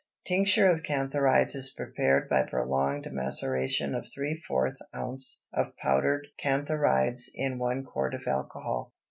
Tincture of cantharides is prepared by prolonged maceration of ¾ ounce of powdered cantharides in one quart of alcohol.